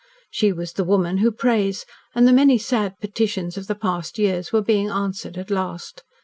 She was the woman who prays, and the many sad petitions of the past years were being answered at last.